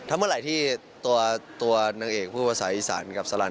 เมื่อไหร่ที่ตัวนางเอกพูดภาษาอีสานกับสลัน